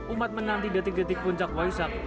umat menanti detik detik puncak waisak